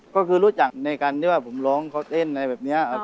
ก็คือรู้จักในการที่ว่าผมร้องเขาเต้นอะไรแบบนี้